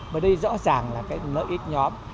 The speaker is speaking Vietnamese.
bởi đây rõ ràng là cái nợ ít nhóm